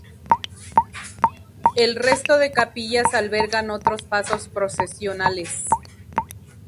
El resto de capillas albergan otros pasos procesionales.